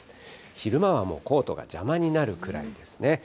昼間はもうコートが邪魔になるくらいですね。